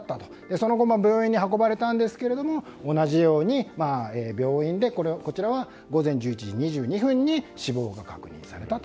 その後、病院に運ばれたんですけれども同じように病院で午前１１時２２分に死亡が確認されたと。